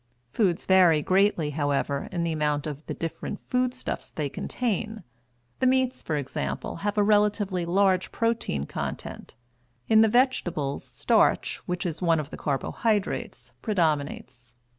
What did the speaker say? Foods vary greatly, however, in the amount of the different food stuffs they contain. The meats, for example, have a relatively large protein content; in the vegetables starch, which is one of the carbohydrates, predominates.